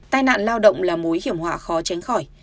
tai nạn lao động là mối hiểm họa khó tránh khỏi